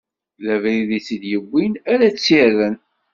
D abrid i tt-id-iwwin ara tt-irren.